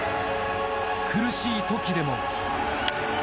苦しい時でも。